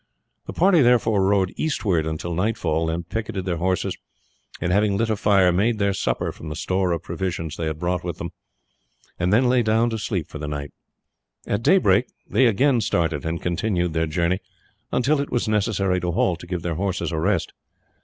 The party therefore rode eastward until nightfall, then picketed their horses, and having lit a fire, made their supper from the store of provisions they had brought with them, and then lay down to sleep for the night. At daybreak they again started and continued their journey until it was necessary to halt to give their horses a rest.